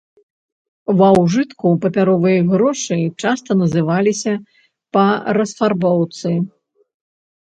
Ва ўжытку папяровыя грошы часта называліся па расфарбоўцы.